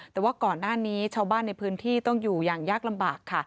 แต่ว่าก่อนหน้านี้ชาวบ้านในพื้นที่ต้องอยู่อย่างยากลำบากค่ะ